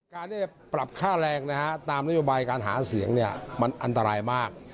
การปรับค่าแรงตามนโยบายการหาเสียงมันอันตรายมาก